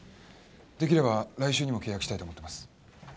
できれば来週にも契約したいと思ってます。